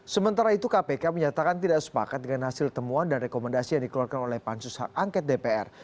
sementara itu kpk menyatakan tidak sepakat dengan hasil temuan dan rekomendasi yang dikeluarkan oleh pansus hak angket dpr